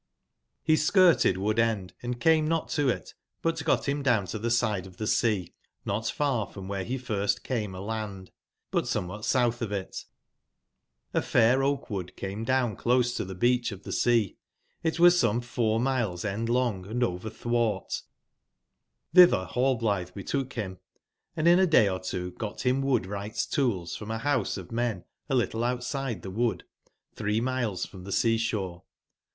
S skirted ^ood/end and came not to it, but got bim down to tbe side of tbe sea, not far from wbere be first came a land, bu t somewbat soutb of it. H fair oak/wood came down close to tbe beacb of tbe sea; it was some four miles end long & over/tbwart.tlbitberRallblitbe betook bim, and in a day or two got bim wood/wrigbfs tools rfrom a bouse of men a little outside tbe wood, tbree miles from tbe sea/sbore.